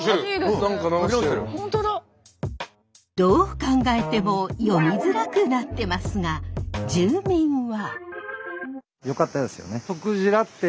どう考えても読みづらくなってますが住民は？